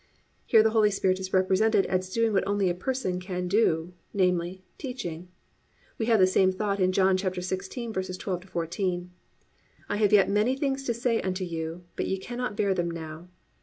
"+ Here the Holy Spirit is represented as doing what only a person could do, namely, teaching. We have the same thought in John 16:12 14. +"I have yet many things to say unto you, but ye cannot bear them now.